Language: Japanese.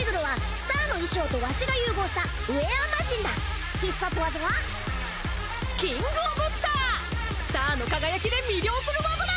スターの輝きで魅了する技だ！